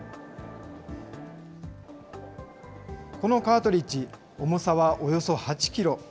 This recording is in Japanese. このカートリッジ、重さはおよそ８キロ。